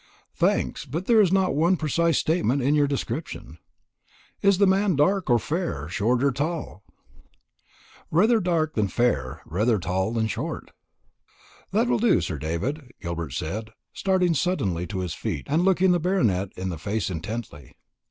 "Thanks; but there is not one precise statement in your description. Is the man dark or fair short or tall?" "Rather dark than fair; rather tall than short." "That will do, Sir David," Gilbert said, starting suddenly to his feet, and looking the Baronet in the face intently.